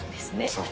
そう。